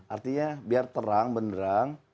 artinya biar terang benderang